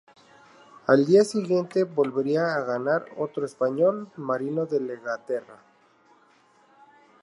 Al día siguiente, volvería a ganar otro español, Marino Lejarreta.